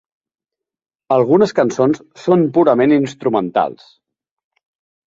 Algunes cançons són purament instrumentals.